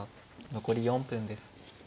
残り４分です。